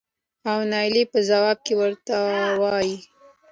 او نايله په ځواب کې ورته وايې